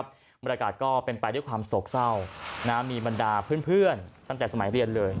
บรรยากาศก็เป็นไปด้วยความโศกเศร้ามีบรรดาเพื่อนตั้งแต่สมัยเรียนเลย